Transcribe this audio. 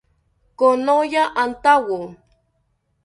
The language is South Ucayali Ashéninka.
Konoya antawo